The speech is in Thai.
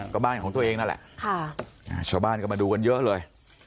ก็บ้านของตัวเองนั่นแหละชาวบ้านก็มาดูกันเยอะเลย